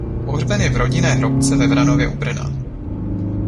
Pohřben je v rodinné hrobce ve Vranově u Brna.